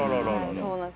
そうなんです。